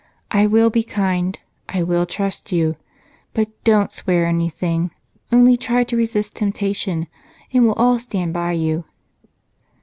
I will be kind, I will trust you, but don't swear anything, only try to resist temptation, and we'll all stand by you."